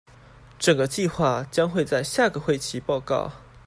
整個計畫將會在下個會期報告